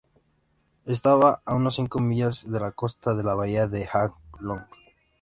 Estaba a unas cinco millas de la costa de la bahía de Ha Long.